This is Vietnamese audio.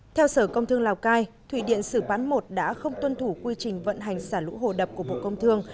theo sở công thương lào cai thủy điện sử bán một đã không tuân thủ quy trình vận hành xả lũ hồ đập của bộ công thương